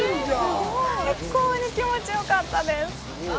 最高に気持ちよかったです